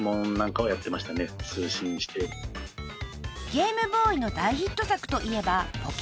［ゲームボーイの大ヒット作といえば『ポケモン』］